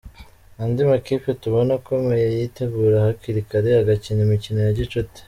Andi makipe tubona akomeye yitegura hakiri kare, agakina imikino ya gicuti.